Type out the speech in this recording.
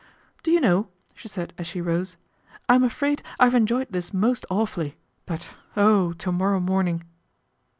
"Do you know," she said as she rose, "I am afraid I have enjoyed this most awfully; but oh! to morrow morning."